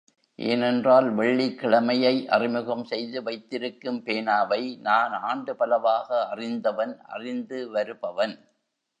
ஏனென்றால், வெள்ளிக்கிழமை யை அறிமுகம் செய்து வைத்திருக்கும் பேனாவை நான் ஆண்டு பலவாக அறிந்தவன் அறிந்து வருபவன்.